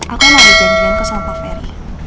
aku mau berjanjian ke sampo ferry